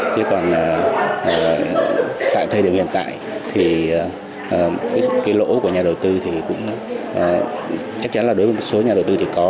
chứ còn tại thời điểm hiện tại thì cái lỗ của nhà đầu tư thì cũng chắc chắn là đối với một số nhà đầu tư thì có